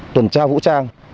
tuần tra vũ trang